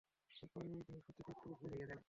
তাদের পারিবারিক জিনিস পত্রে কয়েকটি উট বোঝাই ছিল।